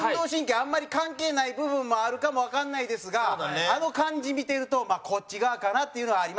あんまり関係ない部分もあるかもわかんないですがあの感じ見てると、こっち側かなっていうのはありましたよ。